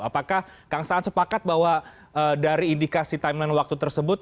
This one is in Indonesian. apakah kang saan sepakat bahwa dari indikasi timeline waktu tersebut